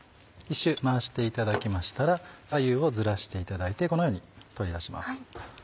１周回していただきましたら左右をずらしていただいてこのように取り出します。